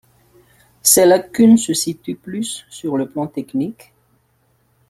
Ses lacunes se situent plus sur le plan technique.